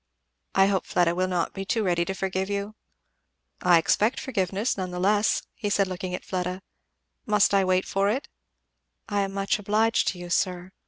"I hope Fleda will not be too ready to forgive you." "I expect forgiveness nevertheless," said he looking at Fleda. "Must I wait for it?" "I am much obliged to you, sir."